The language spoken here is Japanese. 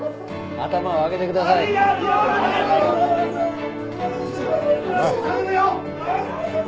頭を上げてください。